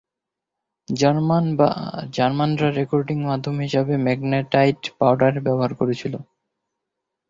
German রা recording মাধ্যম হিসাবে ম্যাগনেটাইট পাউডার ব্যবহার করেছিল।